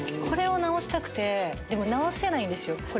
これを直したくてでも直せないんですよ。